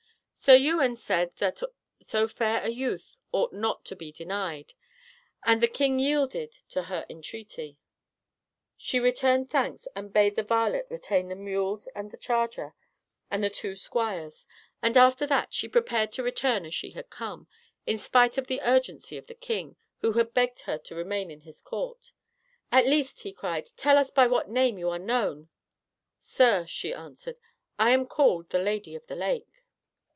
Sir Ewain said that so fair a youth ought not to be denied, and the king yielded to her entreaty. She returned thanks, and bade the varlet retain the mules and the charger, with the two squires; and after that, she prepared to return as she had come, in spite of the urgency of the king, who had begged her to remain in his court. "At least," he cried, "tell us by what name are you known ?" "Sir," she answered, "I am called the Lady of the Lake."